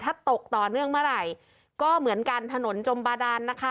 ถ้าตกต่อเนื่องเมื่อไหร่ก็เหมือนกันถนนจมบาดานนะคะ